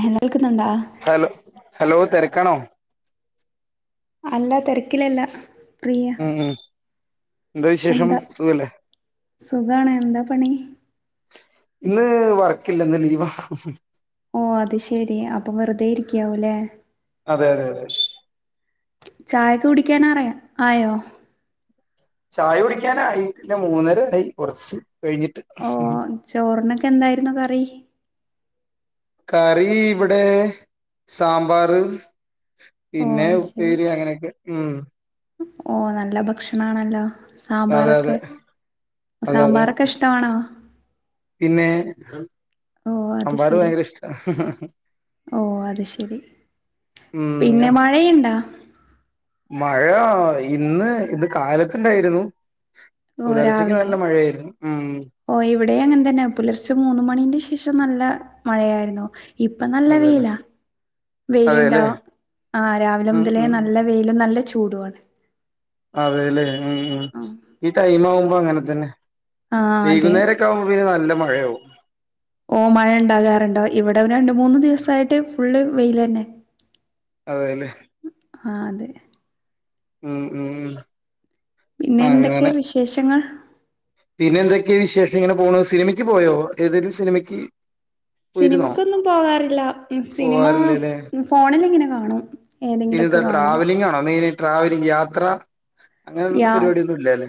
ഏഴുനേൽക്കുന്നുണ്ടോ? Hello hello തെരക്കാണോ? അല്ല തെരക്കിലല്ല ഉം ഉം വിശേഷം എന്താ സുഖല്ലേ സുഖാണ് എന്താ പണി? ഇന്ന് വർക്കില്ല ഇന്ന് ലീവാ ഓ അത് ശെരി അപ്പൊ വെറുതെ ഇരിക്കാവൂല്ലേ അതെ അതെ അതെ ചായക്ക് കുടിക്കാനാറി ആയോ? ചായ കുടിക്കാനയി മൂന്നരയി കുറച്ച് കഴിഞ്ഞിട്ട് ഓ ചോറിനൊക്കെ എന്തായിരുന്നു കറി? കറി ഇവിടെ സാമ്പാർ ഓ പിന്നെ അത് ശരി ഉപ്പേരി അങ്ങനെയൊക്കെ ഉ ഓ നല്ല ഭക്ഷണ ആണല്ലോ അതെ സാമ്പാറൊക്കെ അതെ അതെ അതെ സാമ്പാറൊക്കെ ഇഷ്ട ഷ്ടാണോ? പിന്നെ ഓ അത് സമ്പാർ ശരി ഭയങ്കര ഇഷ്ട്ട ഓ അത് ശരി പിന്നെ മഴയിണ്ടോ? മഴ ഇന്ന് ഇത് കാലത്തിണ്ടായിരുന്നു ഓ പുലർച്ചയ്ക്ക് രാവിലെ നല്ല മഴയായിരുന്നു. ഉ ഓ ഇവിടെ അങ്ങനെ തന്നെ പുലർച്ചെ മൂന്ന് മണിന്റെ ശേഷം നല്ല മഴയായിന്നു. ഇപ്പം നല്ല അതെല്ലേ വെയിലാ. വെയിലുണ്ടോ? അതെല്ലേ ആ രാവിലെ ഉം മുതലേ ഉം നല്ല വെയിലും നല്ല ചൂടുആണ്. അതെല്ലേ ഉ ഉ ഈ ടൈം ആവുമ്പോ അങ്ങനെ തന്നെ ആഹ് അതെ വൈകുന്നേരൊക്കെ ആകുമ്പോളെ പിന്നെ നല്ല മഴയാവും ഓ മഴ ഉണ്ടാകാറുണ്ടോ ഇവിടെ രണ്ട് മൂന്ന് ദിവസായിട്ട് ഫുള്ള് വെയിൽ തന്നെ അതെല്ലേ ആഹ അതെ മ് മ്മ് പിന്നെ എന്തൊക്കെയാ വിശേഷങ്ങൾ പിന്നെ എന്തൊക്കെയ വിശേഷങൾ പോണു സിനിമയ്ക്ക് പോയോ? ഏതെങ്കലും സിനിമയ്ക്ക്. പോയിരുന്നോ സിനിമക്കൊന്നും പോകാറില്ല സിനിമ പോവാറില്ലല്ലേ ഫോണിലിങ്ങനെ കാണും ഏതെങ്കിലൊക്കെ ട്രാവലിംഗാണൊമെയിൻ ട്രാവലിംഗ് യാത്ര അങ്ങനെ യാ പരിപാടിയൊന്നും ഇല്ല അല്ലേ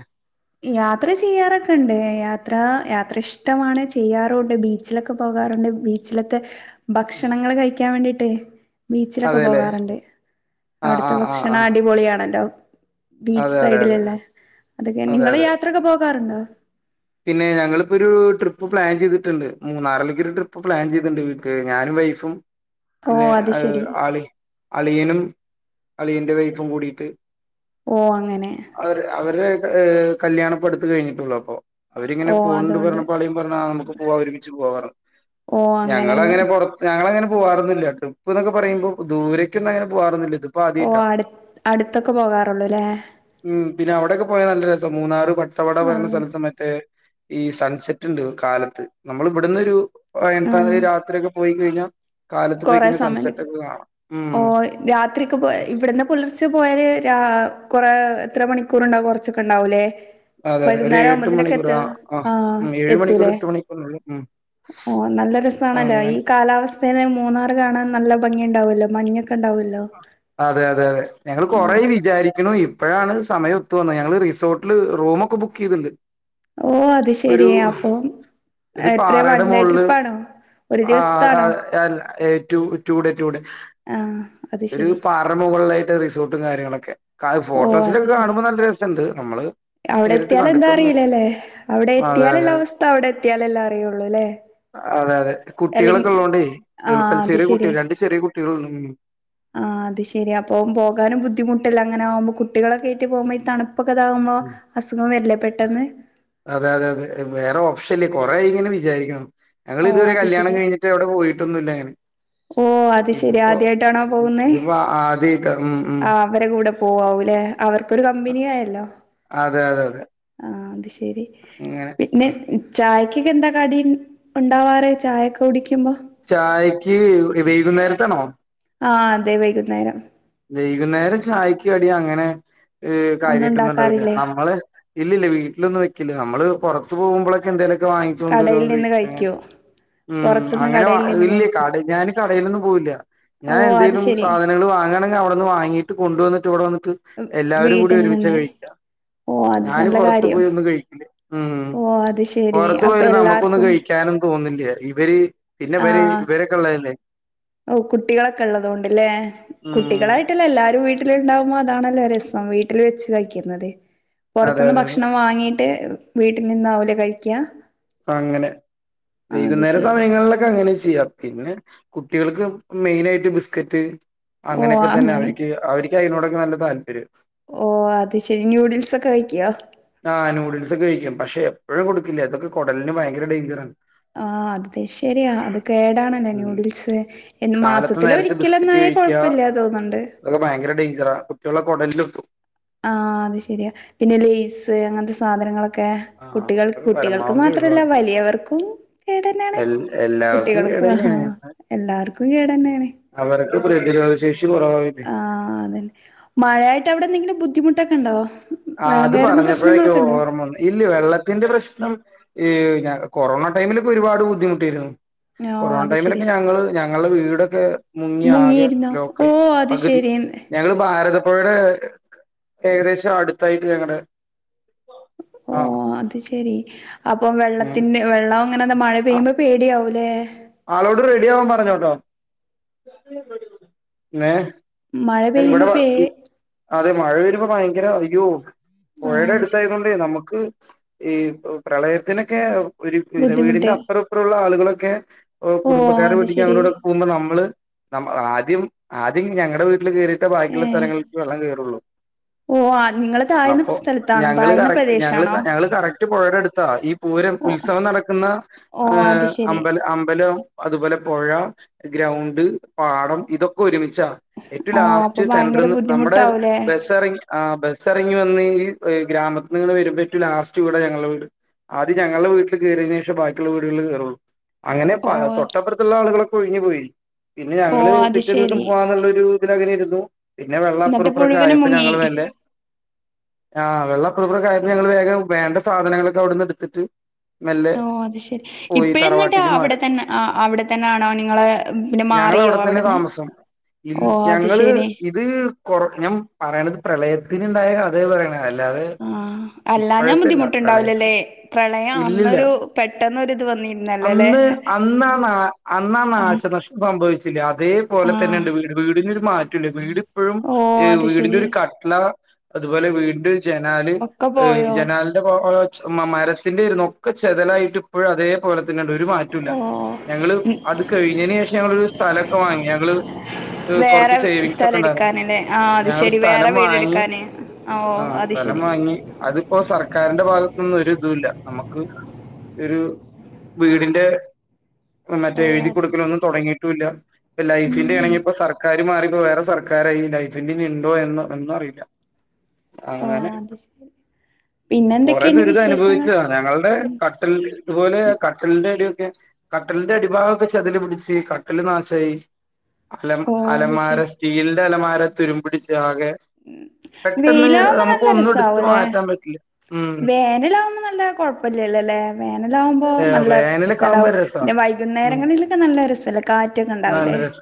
യാത്ര ചെയ്യാറൊക്കെണ്ട് യാത്ര യാത്ര ഇഷ്ടമാണ് ചെയ്യാറുണ്ട് ബീച്ചിലൊക്കെ പോകാറുണ്ട് ബീ ച്ചിലത്തെ ഭക്ഷണങ്ങൾ കഴിയ്ക്കാൻ വേണ്ടീട്ടേ ബീച്ചിലൊക്കെ അതെല്ലേ പോകാറുണ്ട് ആ ആ അവട്ത്തെ ആ ആ ഭക്ഷണം അടിപൊളിയാണല്ലോ ബീച്ച് അതെ അതെ അതെ സൈഡില്ഉള്ള അതൊക്കെ അതെ നിങ്ങള് അതെ യാത്രൊക്കെ പോകാറുണ്ടോ [unintelligible] പിന്നെ ഞങ്ങളിപ്പൊരു ട്രിപ്പ് പ്ലാൻ ചെയ്തിട്ടുണ്ട് മൂന്നാറിലേയ്ക്കൊരു ട്രിപ്പ് പ്ലാൻ ചെയ്ത്ണ്ട് വീട്ടില് ഞാനും വൈഫും [unintelligible] ഓ പിന്നെ അത് അയ് ശെരി. ആള് അളിയനും അളിയൻ്റെ വൈഫും കൂടിയിട്ട് ഓഹ് അങ്ങനെ അവര് അവരെ കല്യാണപ്പടുത്ത് കഴിഞ്ഞിട്ടുള്ളു അപ്പോ അവരിങ്ങനെ ഓ പോണ് ണ്ട് അതോണ്ട്. പറഞ്ഞപ്പം അളിയ പ്പം പറഞ്ഞ് ആഹ ഞമ്മക്ക് പോകാം ഒരുമിച്ച് പോവാർഞ്ഞ് ഓ അങ്ങനെ മു ഞങ്ങളങ്ങനെ പൊറത് ഞങ്ങളങ്ങനെ പോവാറൊന്നുല്ല ട്രിപ്പ് ന്നൊക്കെ പറയുമ്പം ദൂരക്കൊന്നും അങ്ങനെ പോകാറൊന്നുല്ല ഇത് ഓ അട് അടുത്തൊക്കെ പോകാറൊള്ളൂ ല്ലേ ഉം പിന്നെ അവിടൊക്കെ പോയാ നല്ല രസ മൂന്നാറ് വട്ടവട പറിണ ആഹ് സ്ഥലത്തും മ ഏ ഈ സൺസെറ്റ്ണ്ട് കാലത്ത് നമ്മൾ ഇവിട്ന്നൊരു ഓ ഇപ്പത് ആഹ് രാത്രിയൊക്കെ പോയി കഴിഞ്ഞാ കാലത്ത് പോയി കഴിഞ്ഞ സൺസെറ്റ് ഒക്കെ കാണാം ഉം രാത്രൊക്കെ പോ ഇവിടന്ന് പുലർച്ച പോയാല് കൊറേ എത്ര മണിക്കൂർണ്ടാവും കൊറച്ചൊക്കെ ഉണ്ടാവൂല്ലേ അതെ അതെ ഒരു എട്ട് വൈകുന്നേരാവുമ്പോത്തിനൊക്കെ മണിക്കൂർ എത്ത ആ ആ ആഹ ഏഴ് മണിക്കൂർ എത്തൂലേ എട്ട് മണിക്കൂറിനുള്ളിൽ ഉം ഓ നല്ല രസാണല്ലൊ അങ്ങനെ ഈ കാലാവസ് സ്ഥല് മൂന്നാറ് കാണാൻ നല്ല ഭംഗി ഉണ്ടാവില്ലോ മഞ്ഞൊക്കെ ഉണ്ടാവ്യൊല്ലൊ അതെ അതെ അതെ ഞങ്ങള് കൊറേ ആയി വിചാരിക്കണ് യും ഇപ്പഴാണ് സമയം ഒത്തു വന്നത് ഞങ്ങള് റിസോർട്ടില് റൂമൊക്കെ ബുക്ക് ചെയ്തിട്ടുണ്ട് ഓ അത് ശരി ഏ അപ്പം എത്ര വൺ ഡേ ട്രിപ്പാണോ ഒരു ആഹ കാ ദിവസത്താണോ അൽ ടൂ ടു ഡെ ടൂ ഡെ ആഹ ഒരു പാറ മുകളിലായിട്ട് റിസോർട്ടും കാര്യങ്ങളൊക്കെ ക്കൽ ഓ അത് ഫോട്ടോസിലൊക്കെ ശെരി കാണുമ്പോൾ നല്ല രസണ്ട് നമ്മള് അവിടെ നേരിട്ട് എത്തിയാല് എന്താ കണ്ടിട്ടൊന്നുമില്ല അറിയില്ലല്ലേ അവിടെ അതെ അതെ എത്തിയാലുള്ള അവസ്ഥ അവിടെ എത്തിയാലല്ലെ അറിയുള്ളൂ ല്ലേ അതെ അതെ അല്ലെങ്കി കുട്ടികളൊക്കെ ഇള്ളോണ്ടേ ആഹ് എളുപ്പല്ല അത് ചെറിയ കുട്ടി ശരിയാ രണ്ട് ചെറിയ കുട്ട്യേ ളുണ്ട് ഉം ആഹ് അത് ശരി അപ്പം പോകാനും ബുദ്ധിമുട്ടല്ലെ അങ്ങനെ ആകുമ്പം കുട്ടികളെക്കെയായിട്ട് പോകുമ്പം ഈ തണു പ്പൊക്കെതാകുമ്പം ഉം അസുഖം വരില്ലെ പെട്ടെന്ന് അതെ അതെ അതെ വേറെ ഓപ്ഷൻല്ലേ കൊറെ ആയി ഇങ്ങനെ വിചാരിക്യണു ഞങ്ങൾ ഓ ഇതുവരെ അത് കല്യാണം ശരി കഴിട്ട് എവിടെ പോയിട്ടൊന്നുല്ല ഇങ്ങനെ ഓ അത് ശരി ഇതിപ്പോ ആദ്യായിട്ടാണോ പോകുന്നേ ഇതിപ്പോ ആദ്യായ്ട്ട ഉം ഉം ആഹ് അവരെ കൂടെ പോവാവൂല്ലേ അവർക്കൊരു കമ്പനിയായില്ലോ അതെ അതെ അതെ ആഹ് അത് ശരി അങ്ങനെ പി പിന്ന ചായയ്ക്കൊക്കെ എന്താ കടി ഉണ്ടാവാറ് ചായൊക്കെ കുടിയ്ക്കുമ്പോ ചായയ്ക്ക് വൈകുന്നേരത്താണോ ആഹ അതെ വൈകുന്നേരം വൈകുന്നേരം ചായയ്ക്ക് കടി അങ്ങനെ ഒന്നും കാര്യായിട്ടൊന്നും ഇണ്ടാവില്യ ഉണ്ടാക്കാറില്ലേ നമ്മള് ഇല്ലല്യ വീട്ടിലൊന്നും വെയ്ക്കില്ല നമ്മള് പൊറത്ത് പോക്മ്പളൊക്കെ എന്തേലും ഒക്കെ വാങ്ങിച്ചു കൊണ്ടുവരും കടയിൽ അത് നിന്ന് കഴിയ്ക്കും അങ്ങനെ കഴിക്കുവോ ഉം പുറത്തുന്ന് അങ്ങനെ വാ കടയിൽ നിന്ന് ഇല്ല്യ കഴിക്കുക കട ഞാൻ കടയിലൊന്നും പോവില്ല ഓ ഞാൻ അത് എന്തേലും ശരി സാധനങ്ങൾ വാങ്ങ്യാണെങ്കി അവിടെന്ന് വാങ്ങീട്ട് കൊണ്ട് വന്ന്ട്ട് ഇവടെ വന്ന്ട്ട് എല്ലാവരും കൂടി വീട്ടിൽ ഒരുമിച്ച നിന്ന് കഴിക്കാ ഓ അത് ഞാന് നല്ല പൊറത്ത് കാര്യം പോയി ഒന്നും കഴിയ്ക്കില്ല ഉം ഓ അത് ശെരി പൊറത്ത് അപ്പൊ പോയാല് നമുക്കൊന്നും എല്ലാർക്കും കഴിക്ക യ്ക്കാനും തോന്നില്ല ഇവര് പിന്നെവര് ആഹ് ഇവരൊക്കെ ഉള്ളതല്ലേ ഓ കുട്ടികളൊക്കെ ഉള്ളത് കൊണ്ടല്ലേ ഉം കുട്ടികളായിട്ടല്ല എല്ലാരും വീ വീട്ടിലുണ്ടാാവുമ്പോ അതാണല്ലോ രസം വീട്ടിൽ വെച്ച് കഴിക്കുന്നത് പുറത്തു അതെ നിന്ന് അതെ അതെ ഭക്ഷണം വാങ്ങീട്ട് വീട്ടിൽ നിന്നാവൂലേ കഴിക്കുക അങ്ങനെ വൈകുന്നേരം ശരി സമയങ്ങളിലൊക്കെ അങ്ങനെ ചെയ്യ പിന്നെ കുട്ടികൾക്ക് മെയിന ആയിട്ട് ബിസ്കറ്റ് ഓ അങ്ങനെയൊക്കെ തന്നെ അങ്ങനെ അവർക്ക് അവർക്ക് അതിനോടൊക്കെ നല്ല താല്പര്യം ഓ അത് ശെരി ന്യൂഡിൽസ് ഒക്കെ വെക്കുവോ ആഹ് നൂഡൽസ് ഒക്കെ കഴിക്കും പക്ഷെ എപ്പോഴും കൊടുക്കേ അതൊക്കെ കുടലിന് ഭയങ്കര ഡേഞ്ചറ ആണ് ആഹ് അത് ശരിയാ അത് കേടാണല്ലേ ഉം ന്യൂഡിൽസ് എ കാലത്തെ നേരത്ത് മാസത്തില്ഒരിക്കല് ഒ ബിസ്ക്കറ്റ് ന്നായ കഴിക്കുക കൊഴപ്പില്ല തോന്നുന്നുണ്ട് അതൊക്കെ ഭയങ്ക ഡേഞ്ചറ ആ കുട്ടികളെ കുടലിൽത്തും ആഹ് അത് ശരിയാ പിന്നെ ലേസ് അങ്ങനത്തെ സാധനങ്ങളൊക്കെ ക്കെ ആഹ് കുട്ടികൾ അതൊക്കെ കുട്ടികൾക്ക് പരമാവധി മാത്രല്ല ഒഴിവാക്കണം വലിയവർക്കും കേടന്നെയാണ് എ എല്ലാവർക്കും കുട്ടികൾക്കും ആഹ കേടന്നെയാണ് എല്ലാർക്കും കേട തന്നെയാണ് അവർക്ക് പ്രതിരോധ ശേഷി കുറവായി ആഅതന്നെ മഴയായിട്ട് അവിടെ എന്തെങ്കിലും ബുദ്ധിമുട്ടൊക്കെ ഉണ്ടോ ആ വെള്ളം ഹ്അത് കയറുന്ന പറഞ്ഞപ്പോഴേ ക്കാ പ്രശ്നങ്ങളൊക്കെ ഉണ്ടോ ഓർമ്മ വന്നത് ഇല്ല വെള്ള ത്തിന്റെ പ്രശ്നം ഈ കൊറോണ ടൈമിലൊക്കെ ഒരുപാട് ബുദ്ധിമുട്ടിയിരുന്നു ഓ കൊറോണ അത് ശെരി ടൈമിലൊക്കെ ഞങ്ങള് ഞങ്ങളുടെ വീടൊക്കെ മുങ്ങി ആകെ മുങ്ങിയിരുന്നോ ഓ ലോക്കായി അത് പകുതി ശെരി ഞങ്ങള് ഭാരതപ്പുഴയുടെ ഏകദേശം അടു ത്തായി ഞങ്ങടെ ഓ ആഹ് അത് ശെരി അപ്പം വെള്ളത്തിന്റെ വെള്ളം അങ്ങനെന്ത മഴ ആ- പെയ്യുമ്പോ പേടിയാവൂല്ലേ ആളോട് റെഡി ആവാൻ പറഞ്ഞോട്ടോ മഴ ഇവിടെ പെയ്യുമ്പോ പേ ഇ അതെ മഴ വരുമ്പോ ഭയങ്കര അയ്യോ പുഴയുടെ ആഹ് ശരി അടുത്തായത് കൊണ്ടേ നമുക്ക് ഈ പ്രളയത്തിനൊക്കെ ഒരു പിര വീടിന്റെ ബുദ്ധിമുട്ട് അപ്പ റെ ഇപ്പറെ ഉള്ള ആളുകളൊക്കെ ഓ കുടുംബക്കാരെ അത് വീട്ടി ശെരി അനോട് പോവുമ്പ നമ്മള് ആദ്യം ആദ്യം ഞങ്ങളുടെ വീട്ടിൽ കേറി ട്ടെ ബാക്കിയുള്ള ഏഹ് സ്ഥലങ്ങളിൽ വെള്ളം കയറുള്ളൂ ഓ ആ നിങ്ങള് താഴ്ന്ന അപ്പൊ സ്ഥലത്താണോ ഞങ്ങള് താഴ്ന്ന കറക് ഞങ്ങള് പ്രദേശാണോ ഞങ്ങള് കറക് റ്റ് പുഴയുടെടുത്താ ഈ പൂരം ഓ ഉത്സവം നടക്കുന്ന ഓ അത് ശെരി അമ്പല അമ്പലം അതുപോലെ പുഴ ഗ്രൗണ്ട് പാടം ഇതൊക്കെ ഒരുമിച്ചാ ഏറ്റവും ഓ അപ്പൊ ലാസ്റ്റ് ഭയങ്കര സെന്റർന്ന് നമ്മുടെ ബുദ്ധിമുട്ടാവൂലേ ബസ് എറങ്ങി ആഹ് ബസ് ഇറങ്ങി വന്ന് ഈ ഗ്രാമത്തി നിങ്ങ വരുമ്പ ഏ റ്റു ലാസ്റ്റ് വീട ഞങ്ങളുടെ വീട് ആദ്യ ഞങ്ങളുടെ വീട്ടിൽ കയറിയതിന് ശേഷം ബാക്കിയുള്ള വീടുകളില് കയറുള്ളൂ അങ്ങനെ ഓ തൊട്ടപ്പുറത്തുള്ള ആളുകളൊക്കെ ഒഴുകി പോയി പിന്നെ ഓ ഞങ്ങള് അത് പിറ്റേ ദിവസം ശെരി പോകന്നുള്ളൊരു ഇരുന്നു പിന്നെ എന്നിട്ട് വെള്ളപ്പറുപ്പറൊക്കെ മുഴുവനും ആയപ്പോ മുങ്ങി ഞങ്ങ വെല്ലേ ആ വെള്ളപ്പറെ ഇപ്പറെ ആയി ഞങ്ങള് വേഗം വേണ്ട സാധനങ്ങളൊക്കെ അവിടെന്ന് എടുത്തിട്ട് മെല്ലെ ഓഹ് അത് ശരി പോയി ഇപ്പഴെന്നട്ട അ തറവാട്ടിക്ക് മാറി അവിടെ തന്നെ ആ അവിടെ തന്നൊണോ നിങ്ങള് പിന്നെ മാറിയോ അവിടെന്ന് ഇ ഞങ്ങള് ഇത് കൊറ ഞാൻ പറയണത് പ്രളയത്തിനുണ്ടായ കഥയാണ് പറയണ അല്ല ആഹ് അല്ലാഞാ ബുദ്ധിമുട്ടുണ്ടാവലല്ലേ പ്രളയത്തിന് പ്രളയം ഇല്ലില്ല അന്നൊരു പെട്ടെന്നൊരിത് വന്നിന് അന്ന് അന്നാ ന അ നാശ നഷ്ട്ടം സംഭവിച്ചില്ല അത ആ പോലെ തന്നെ ഉണ്ട് വീട് വീടിനെരു മാറ്റല്ല വീടിപ്പോഴും ഓ അത് വീടിന്റെ ശെരി ഒരു ട്ടള അതുപോലെ വീട്ന്റ് ജനാൽ ഒക്കെ പോയോ ജനൽ മരത്തിന്റെരുന്നു ഒക്കെ ചെതലായിട്ട ഇപ്പോഴും അതേപോലെ ഒരു മാറ്റില്ല ഞങ്ങള് ഓ അത് കഴിഞ്ഞയ്ന് ശേഷം ഞങ്ങളൊരു സ്ഥലക്കെ വാങ്ങി ഞങ്ങള് കൊറച്ച് വേറെ സേവിങ്സ് സ്ഥലം ഒക്കെ ഉണ്ടായിരുന്നു എടുക്കാനല്ലേ ആ അത് ഞങ്ങള് ശരി വേറെ സ്ഥലം വീട് വാങ്ങി എടുക്കാന് ആ ഓ ആഹ് അത് സ്ഥലം ശരി വാങ്ങി അതിപ്പോ സർക്കാരിന്റെ ഭാഗത്തൊന്നും ഒരിതില്ല നമുക്ക് ഒരു വീടിന്റെ ഓ മറ്റേ എഴുതി അത് ശരി കൊടുക്കലൊന്നും തുടങ്ങിയിട്ടുല്ല ലൈഫിന്റെ ഉം ആണെങ്കി ഇപ്പ സർക്കാർ മാറിപ്പോ വേറെ സർക്കാരായി ലൈഫിന്റെ ഉണ്ടോ എന്നോ ഒന്നും അറിയില്ല ഓ അങ്ങനെ അത് ശരി പിന്നെ കൊറെ എന്തൊക്കെയുണ്ട് ദുരിത വിശേഷങ്ങൾ അനുഭവിച്ചതാണ് ഞങ്ങളുടെ ഉം കട്ടിൽ ഇതുപോലെ കട്ടലിന്റെ അടിയൊക്കെ കട്ടലിന്റെ അടിഭാഗം ഒക്കെ ചിതല് പിടിച്ച് കട്ടല് നാശമായി അല ഓ അത് അലമാര ശരി സ്റ്റീലിന്റെ അലമാര തുരുമ്പ് പിടിച്ച് ആകെ പെട്ടെന്ന് വെയിലാവുമ്പോ നമുക്ക് ഒന്നും എടുത്ത് മാറ്റാൻ പറ്റില്ല ഉം വേനലാകുമ്പോ നല്ല കൊഴപ്പല്ലല്ലൊ അല്ലേ വേനലാകുമ്പോ നല്ല വേനലൊക്കെ സ്ഥലവും ആകുമ്പോ രസാ പിന്നെ ഉം വൈകുന്നേരങ്ങളിലൊക്കെ നല്ലരസല്ലേ കാറ്റൊക്കെ നല്ല ഉണ്ടാവില്ലേ രസ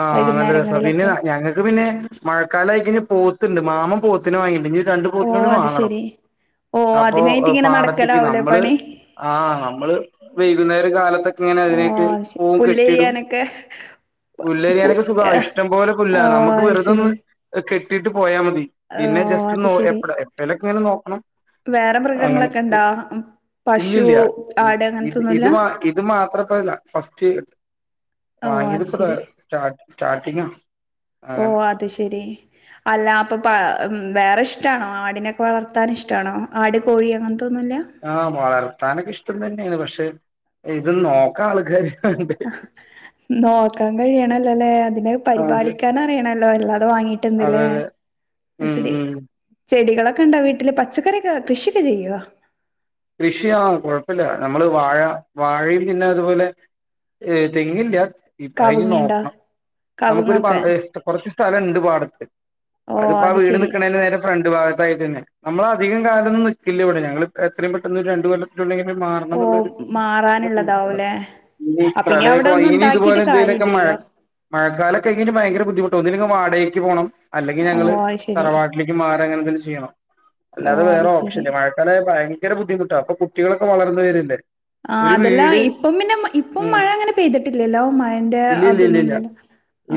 ആഹ് നല്ല രസ പിന്നെ ഞങ്ങക്ക് പിന്നെ മഴക്കാല ആയി കഴിഞ്ഞ പോത്തുണ്ട് മാമൻ പോത്ത് ത്തിന് വാങ്ങിയിണ്ട് ഇനി രണ്ട് ഓ പോത്തിനെ കൂടെ അത് വാങ്ങണം ശരി ഓ അപ്പോ അതിനായിട്ട് ഇങ്ങനെ പാടത്തിക്ക് നടക്കലാവൂലേ നമ്മള് പണി ആഹ് നമ്മള് വൈകുന്നേര കാലത്തൊക്കെ ഇങ്ങനെ ഓ അതിനായിട്ട് അത് ശരി പോവും പുല്ല് കെട്ടിയിടും ചെയ്യാനൊക്കെ പു പുല്ലരിയാനൊക്കെ സുഖ ഏഹ് ഇഷ്ടം പോലെ പുല്ല ഓ നമ്മുക്ക് അത് വെറുതൊന്ന് ശരി കെട്ടിയിട്ട് പോയാ മതി ഓ പിന്നെ അത് ജസ്റ്റ് ശരി എപ്പ എപ്പളേലൊക്കെ ഇങ്ങനെ നോക്കണം വേറെ അങ്ങനെ മൃഗങ്ങളൊക്കെ ഇണ്ടോ പശു ഇല്ലല്ല ആട് ഇത് അങ്ങനത്തൊന്നുല്ല ഇത് ഇത് മാത്രപ്പല്ല ഫസ്റ്റ് ഓ വാങ്ങിയത് അത് പ്പൊ ശരി സ്റ്റാ സ്റ്റാർട്ടിംഗ ഓഹ് അത് ശരി അല്ല അപ്പൊ വേറെ ഇഷ്ടമാണോ ആടിനെക്കെ വളർത്താൻ ഇഷ്ടമാണോ ആട് കോഴി അങ്ങനത്തൊന്നുല്ല ആഹ് വളർത്താനൊക്കെ ഇഷ്ടം തന്നെയാണ് പക്ഷെ ഇത് നോക്കാ ആൾക്കാര് വേണ്ടേ നോക്കാൻ കഴിയണല്ലോല്ലേ അതിനെ അത് അതെ പരിപാലിക്കാൻ അറിയണല്ലോ അല്ലാതെ വാങ്ങീട്ടന്താല്ലേ അതെ ഉം ഉം ചെടികളൊക്കെ ഉണ്ടോ വീട്ടില് പച്ചക്കറിയൊക്കെ കൃഷിയൊക്കെ ചെയ്യോ കൃഷി ആ കൊഴപ്പില്ല നമ്മള് വാഴ വാഴയിൽ പിന്നെ അതുപോലെ ഏഹ് തെങ്ങില്ല അതിഞ് കവുങ്ങുണ്ടോ നോക്കണം നമുക്കൊരു പ കവുങ്ങൊക്കെ [inaudible] കുറച്ച് സ്ഥലംണ്ട് പാടത്ത് ഓ അതിപ്പോ ആ അത് വീട് ശെരി നിക്കണെന്റെ നേരെ ഫ്രണ്ട് ഭാഗത്തായിട്ട് തന്നെ നമ്മൾ അധികം കാലം ഒന്നും നിക്കില്ല ഇവിടെ ഞങ്ങൾ എത്രയും പെട്ടെന്ന് രണ്ടു കൊല്ലത്തിനുള്ളിൽ മാറണം ഓ എന്നുള്ളൊരു [inaudible] മാറാനുള്ളതാവൂലേ ഇനി ആ പിന്നെ അവിടെ പ്രളയൊക്കെ ഒന്നും ഇനി ഇതുപോലെ ഉണ്ടാക്കിട്ട് എന്തേലൊക്കെ മഴ കാര്യല്ലല്ലോ മഴക്കാലൊക്കെ ആയി കഴിഞ്ഞ ഭയങ്കര ബുദ്ധിമുട്ട ഒന്നങ്കിൽ വാടകക്ക് പോണം അല്ലെങ്കിൽ ഓ ഞങ്ങൾ അത് ശരി തറവാട്ടിലേക്ക് മാറ അങ്ങനെ എന്തെലും ചെയ്യണം ഓ അല്ലാതെ വേറെ അത് ശരി ഓപ്ഷൻല്ല മഴക്കാലായ ഭയ ങ്കര ബദ്ധിമുട്ട ഇപ്പ കുട്ടികളൊക്കെ വളർന്നു വരല്ലേ. ആഹ് അതെല്ല ഇപ്പം പിന്നെ ഇപ്പം ഉം മഴ അങ്ങനെ പെയ്തിട്ടില്ലല്ലോ മഴന്റെ ഇല്ല ഇല്ല ഇല്ല അതൊന്നും ഇല്ല ഇല്ലല്ലോ.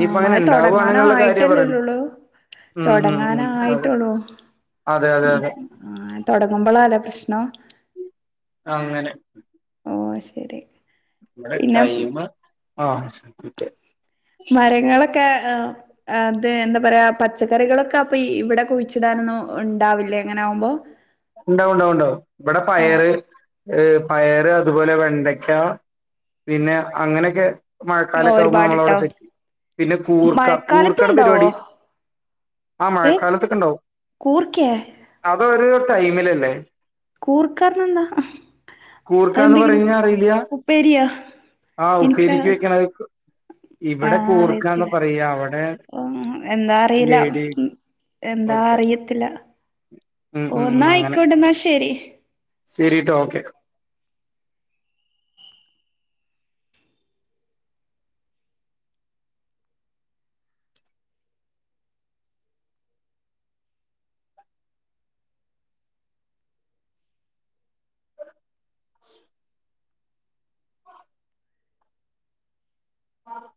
ആഹ് അങ്ങനെ മഴ ഉണ്ടാവുവാണെന്നുള്ള കാര്യാ പറയുന്നെ തുടങ്ങാനായിട്ടല്ലേള്ളു ഉം ഉം ഉം അതെ തുടങ്ങാനയിട്ടുള്ളു. അതെ അതെ അതെ. ആഹ് തുടങ്ങുമ്പോളാല്ലേ പ്രശ്നം. അങ്ങനെ. ഓ ശരി. നമ്മടെ പിന്നെ ടൈംമ് ആഹ്. മരങ്ങളൊക്കെ ആഹ്. അതെ എന്താ പറയാ പച്ചക്കറികളൊക്കെ അപ്പൊ ഇവിടെ കുഴിച്ചിടാനൊന്നും ഉണ്ടാവില്ലേ അങ്ങനെ ആവുമ്പോ? ഉണ്ടാവും ഉണ്ടാവും ഉണ്ടാവും ഇവിടെ ഓ പയറ് ഏഹ് പയറ് അതുപോലെ വെണ്ടക്ക പിന്നെ അങ്ങനെയൊക്കെ ഓ മഴക്കാലൊക്കെ ആവുമ്പോ നമ്മളവിടെ ഒരുപാട്ട്ടോ സെറ്റ് പിന്നെ കൂർക്ക മഴക്കാലത്തും കൂർക്കടെ ഉണ്ടാവോ പരിപാടി. ആഹ് ഏഹ് മഴക്കാലത്തൊക്കെ ഉണ്ടാവും കൂർക്കേ അതൊരു ടൈമിലല്ലേ. കൂർക്ക പറഞ്ഞ എന്താ? കൂർക്കാന്ന് പറീഞ്ഞ അറിയില്ല ഉപ്പേരിയോ ആഹ് എനിക്ക് ഉപ്പേരിക്ക വെക്കണത്. ഇവിടെ കൂർക്കാന്ന് പറയാ അവിടെ ഉം എന്താ അറിയില്ല ലേഡി എന്താ ഓക്കെ അറിയത്തില്ല. ഉം ഓ ഉം ന്നാ അങ്ങനെ ആയിക്കോട്ടെ എന്നാ ശരി ശരിട്ടോ ഓക്കെ. ആഹ്.